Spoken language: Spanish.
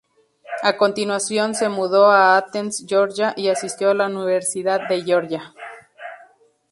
A continuación se mudó a Athens, Georgia, y asistió a la Universidad de Georgia.